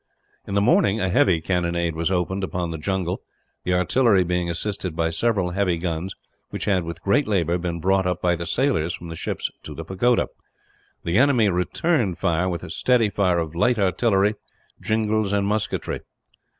In the morning a heavy cannonade was opened upon the jungle; the artillery being assisted by several heavy guns which had, with great labour, been brought up by the sailors from the ships to the pagoda. The enemy returned it with a steady fire of light artillery, jingals, and musketry.